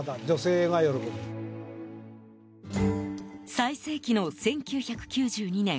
最盛期の１９９２年